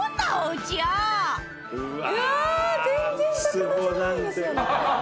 うわ全然魚じゃないですよね